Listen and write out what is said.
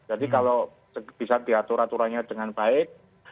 jadi kalau bisa diatur aturannya dengan baik